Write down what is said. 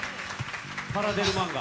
パラデル漫画。